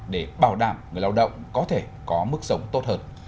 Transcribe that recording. để bảo đảm người lao động có thể có mức sống tốt hơn